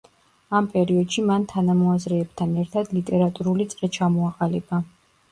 ამ პერიოდში მან თანამოაზრეებთან ერთად ლიტერატურული წრე ჩამოაყალიბა.